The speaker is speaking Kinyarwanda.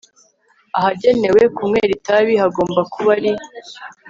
Ahagenewe kunywera itabi hagomba kuba ari